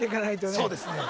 そうですね